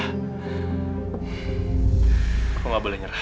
aku gak boleh nyerah